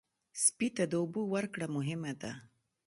سپي ته د اوبو ورکړه مهمه ده.